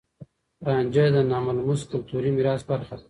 رانجه د ناملموس کلتوري ميراث برخه ده.